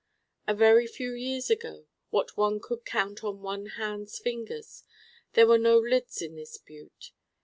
A very few years ago what one could count on one hand's fingers there were no lids in this Butte.